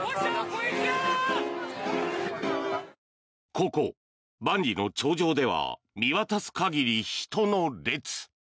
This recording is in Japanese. ここ、万里の長城では見渡す限り、人の列。